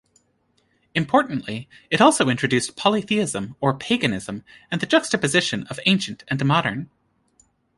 Importantly it also introduced Polytheism, or "paganism", and the juxtaposition of ancient and modern.